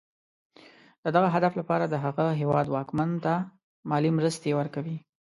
د دغه هدف لپاره د هغه هېواد واکمن ته مالي مرستې ورکوي.